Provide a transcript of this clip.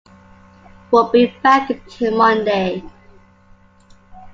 Won't be back till Monday.